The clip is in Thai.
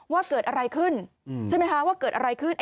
ว่าเกิดอะไรขึ้นใช่ไหมคะว่าเกิดอะไรขึ้น